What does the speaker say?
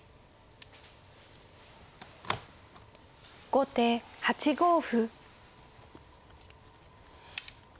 後手８五歩。